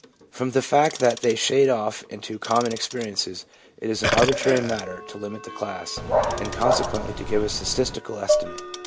From the fact that they shade off into common ex periences, it is an arbitrary matter to limit the class, and consequently to give a statistical estimate.